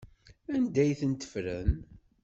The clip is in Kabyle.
Anda ay tent-ffren?